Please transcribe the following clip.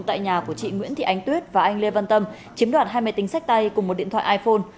tại nhà của chị nguyễn thị ánh tuyết và anh lê văn tâm chiếm đoạt hai máy tính sách tay cùng một điện thoại iphone